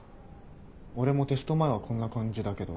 俺もテスト前はこんな感じだけど。